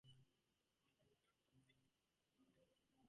It uses Looney Tunes style animation.